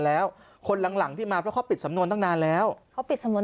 แล้วคนหลังหลังที่มาเพราะเขาปิดสำนวนตั้งนานแล้วเขาปิดสำนวน